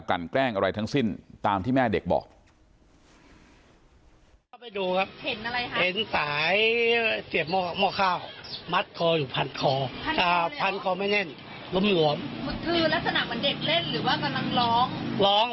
คือลักษณะเหมือนเด็กเล่นหรือว่ามันร้อง